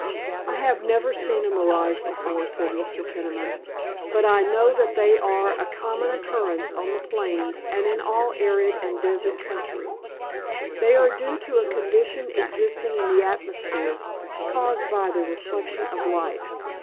"I have never seen a mirage before," said Mr. Peniman, "but I know that they are a common occurrence on the plains, and in all arid and desert country. They are due to a condition existing in the atmosphere, caused by the reflection of light.